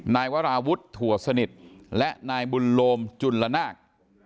นายวราวุฒิถั่วสนิทและนายบุญโลมจุลนาค